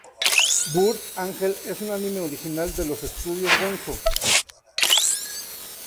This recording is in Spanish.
Burst Angel es un anime original de los estudios Gonzo.